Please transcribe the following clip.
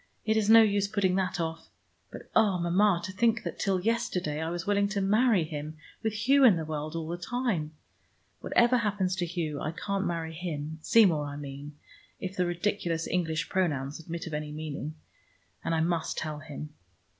"It is no use putting that off. But, oh, Mama, to think that till yesterday I was willing to marry him, with Hugh in the world all the time. Whatever happens to Hugh, I can't marry him, Seymour, I mean, if the ridiculous English pronouns admit of any meaning; and I must tell him."